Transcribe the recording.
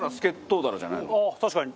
確かに。